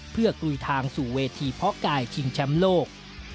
เพื่อกลุยทางสู่เวทีเพาะกายชิงแชมป์โลก